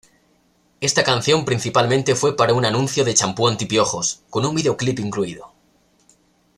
Esta canción principalmente fue para un anuncio de champú anti-piojos, con un videoclip incluido.